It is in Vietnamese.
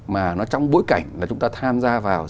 mà nó trong bối cảnh là chúng ta tham gia vào